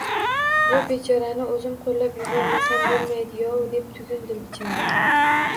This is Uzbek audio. Bu bechorani o‘zim qo‘llab yubormasam bo‘lmaydi-yov, deb tugindim ichimda